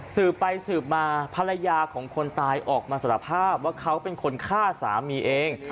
สืบไปสืบมาภรรยาของคนตายออกมาสารภาพว่าเขาเป็นคนฆ่าสามีเอง